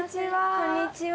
こんにちは。